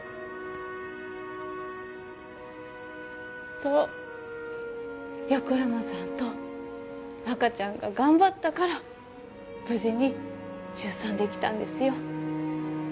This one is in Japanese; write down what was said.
そう、横山さんと赤ちゃんが頑張ったから無事に出産できたんですよ。